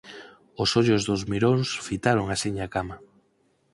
Os ollos dos miróns fitaron axiña a cama.